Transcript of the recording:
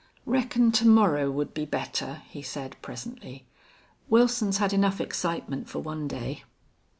"Reckon to morrow would be better," he said, presently. "Wilson's had enough excitement for one day."